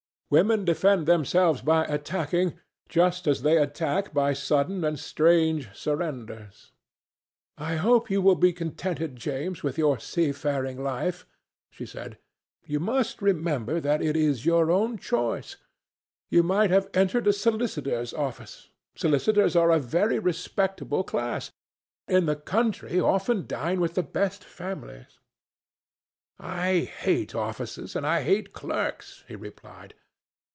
Women defend themselves by attacking, just as they attack by sudden and strange surrenders. "I hope you will be contented, James, with your sea faring life," she said. "You must remember that it is your own choice. You might have entered a solicitor's office. Solicitors are a very respectable class, and in the country often dine with the best families." "I hate offices, and I hate clerks," he replied.